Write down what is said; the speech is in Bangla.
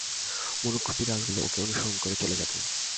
মূর্খ বিড়াল গুলো ওকে অনুসরণ করে চলে যাবে।